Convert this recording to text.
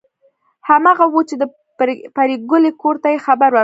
هماغه وه چې د پريګلې کور ته یې خبر ورکړ